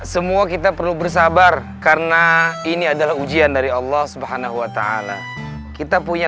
semuanya perlu bersabar karena ini adalah ujian dari allah subhanahuwata'ala kita punya